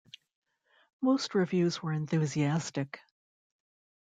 Most reviews were enthusiastic.